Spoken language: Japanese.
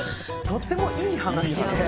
とってもいい話なんで。